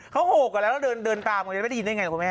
เขาโหกก่อนแล้วแล้วเดินตามก็ได้ได้ยืนได้ไงคุณแม่